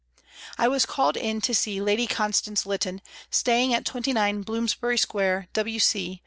I was called in to see Lady Constance Lytton, staying at 29, Bloomsbury Square, W.C.